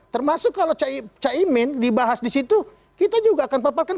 termasuk kalau caimin dibahas di situ kita juga akan paparkan